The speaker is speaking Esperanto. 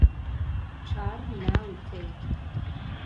Ĉar Laŭte!